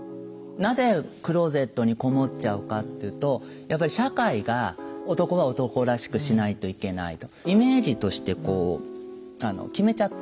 なぜクローゼットにこもっちゃうかっていうとやっぱり社会が男は男らしくしないといけないとイメージとしてこう決めちゃってる。